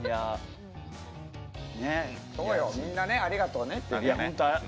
みんな、ありがとうねって。